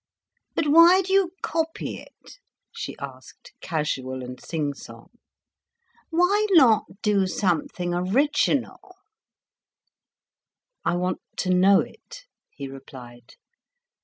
"But why do you copy it?" she asked, casual and sing song. "Why not do something original?" "I want to know it," he replied.